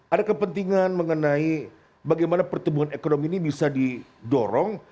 ada kepentingan mengenai bagaimana pertumbuhan ekonomi ini bisa didorong